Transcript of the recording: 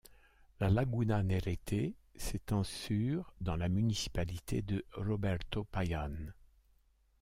La laguna Nerete s'étend sur dans la municipalité de Roberto Payán.